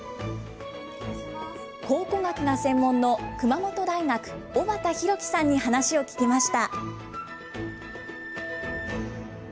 考古学が専門の熊本大学、小畑弘己さんに話を聞きました。